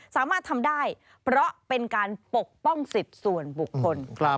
สามารถทำได้เพราะเป็นการปกป้องสิทธิ์ส่วนบุคคล